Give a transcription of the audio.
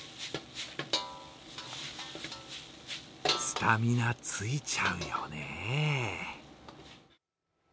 スタミナついちゃうよね。